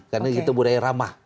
karena kita budaya ramah